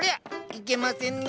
いけませんね。